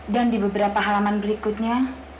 dan di beberapa halaman berikutnya